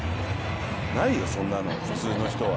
ないよ、そんなの普通の人は。